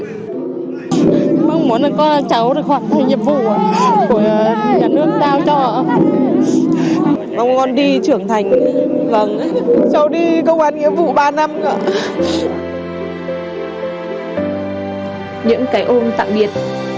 những cái ôm tạm biệt